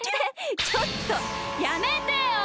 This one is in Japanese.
ちょっとやめてよ！